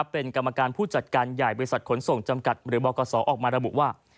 เป็นกรรมการผู้จัดการใหญ่บริษัทขนส่งจำกัดหรือบกษออกมาระบุว่า